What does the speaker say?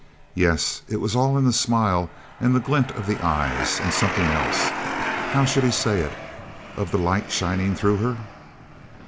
Yes, it was all in the smile and the glint of the eyes. And something else how should he say it? of the light shining through her.